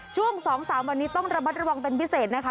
ช่วง๒๓วันนี้ต้องระมัดระวังเป็นพิเศษนะคะ